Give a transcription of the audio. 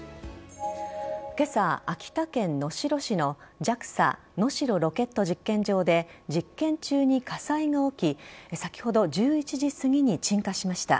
今朝、秋田県能代市のＪＡＸＡ能代ロケット実験場で実験中に火災が起き先ほど１１時すぎに鎮火しました。